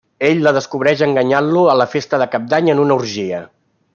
Ell la descobreix enganyant-lo a la festa de cap d'any en una orgia.